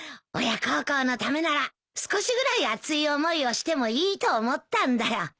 親孝行のためなら少しぐらい熱い思いをしてもいいと思ったんだよ。